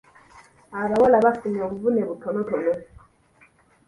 Abawala baafunye obuvune butonotono.